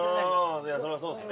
そりゃそうっすね。